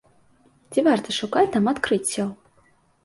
Ці варта шукаць там адкрыццяў?